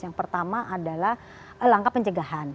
yang pertama adalah langkah pencegahan